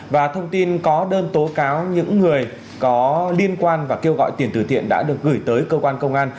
và thông tin có đơn tố cáo những người có liên quan và kêu gọi tiền tử thiện đã được gửi tới cơ quan công an